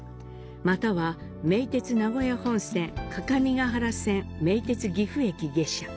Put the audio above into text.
または名鉄名古屋本線各務原線、名鉄岐阜駅下車。